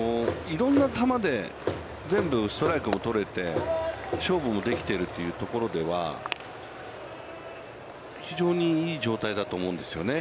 いろんな球で全部ストライクを取れて、勝負もできてるというところでは、非常にいい状態だと思うんですよね。